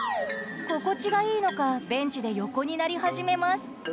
心地がいいのかベンチで横になり始めます。